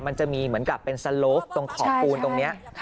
มันจะมีเหมือนกับเป็นสโลฟตรงขอบปูนตรงนี้